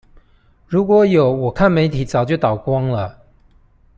如果有我看媒體早就倒光了！